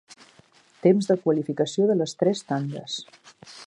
Temps de qualificació de les tres tandes.